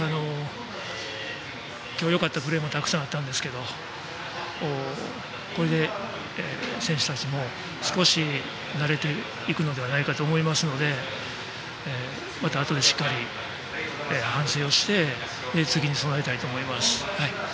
今日よかったプレーもたくさんあったんですけどこれで選手たちも少し慣れていくのではないかと思いますのでまたあとでしっかり反省をして次に備えたいと思います。